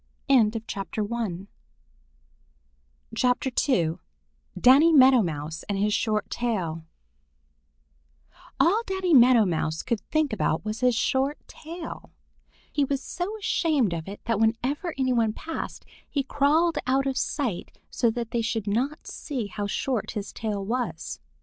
II DANNY MEADOW MOUSE AND HIS SHORT TAIL ALL Danny Meadow Mouse could think about was his short tail. He was so ashamed of it that whenever any one passed, he crawled out of sight so that they should not see how short his tail is.